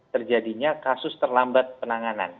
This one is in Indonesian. terjadinya kasus terlambat penanganan